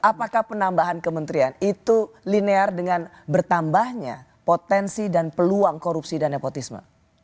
apakah penambahan kementerian itu linear dengan bertambahnya potensi dan peluang korupsi dan nepotisme